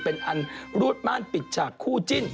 เป็นอันรูดม่านปิดช่ากถูกฆ่า